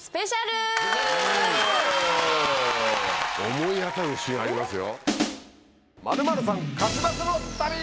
思い当たる節がありますよ。